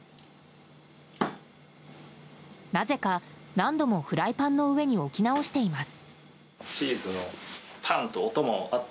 なぜか何度もフライパンの上に置き直しています。